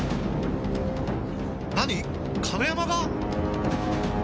何亀山が！？